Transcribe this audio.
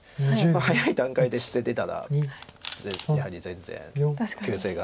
早い段階で捨ててたらやはり全然形勢が。